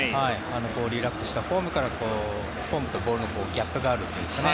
リラックスしたフォームからフォームとボールのギャップがあるというか。